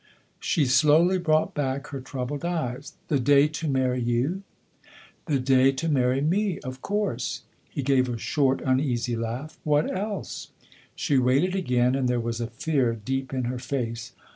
She slowly brought back her troubled eyes. " The day to marry you ?"" The day to marry me of course !" He gave a short, uneasy laugh. " What else ?" She waited again, and there was a fear deep in her face.